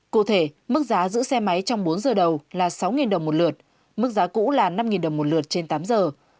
cụ thể mức giá giữ xe máy trong bốn giờ đầu là sáu đồng một lượt mức giá cũ là năm đồng một lượt trên tám giờ